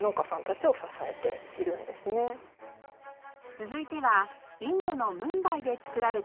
続いてはインドのムンバイで作られたワンピース。